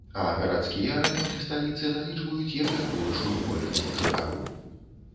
А гарадскія раёны сталіцы налічваюць яшчэ большую колькасць жыхароў.